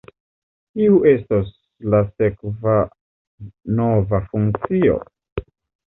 Kiu estos la sekva nova funkcio?